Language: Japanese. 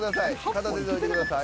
片手で置いてください。